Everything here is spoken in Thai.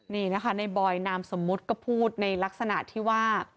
นี่นะคะในบอยนามสมมุติก็พูดในลักษณะที่ว่า